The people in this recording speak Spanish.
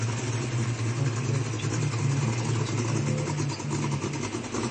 Aunque la lucha continuó, el resultado ahora no estaba en duda.